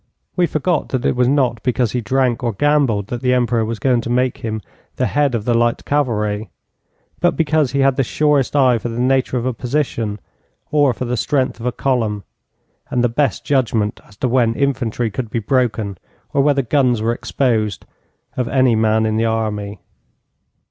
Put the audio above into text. We forgot that it was not because he drank or gambled that the Emperor was going to make him the head of the light cavalry, but because he had the surest eye for the nature of a position or for the strength of a column, and the best judgment as to when infantry could be broken, or whether guns were exposed, of any man in the army.